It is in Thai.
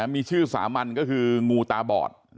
มีชื่อสามัญก็คืองูตาบอด